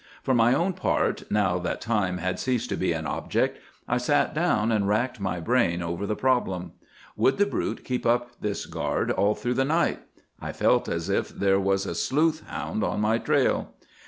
For my own part, now that time had ceased to be an object, I sat down and racked my brains over the problem. Would the brute keep up this guard all through the night? I felt as if there was a sleuth hound on my trail.